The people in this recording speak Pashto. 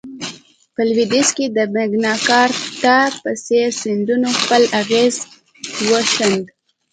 په لوېدیځ کې د مګناکارتا په څېر سندونو خپل اغېز وښند.